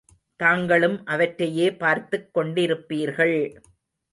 தாங்களும் அவற்றையே பார்த்துக் கொண்டிருப்பீர்கள்!